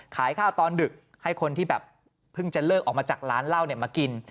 ขายข้าวตอนดึกให้คนที่แบบเพิ่งจะเลิกออกมาจากร้านเหล้ามากิน